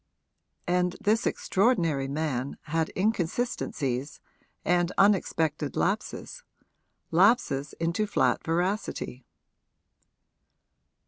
And this extraordinary man had inconsistencies and unexpected lapses lapses into flat veracity.